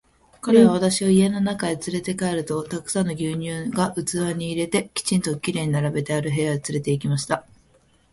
彼は私を家の中へつれて帰ると、たくさんの牛乳が器に入れて、きちんと綺麗に並べてある部屋へつれて行きました。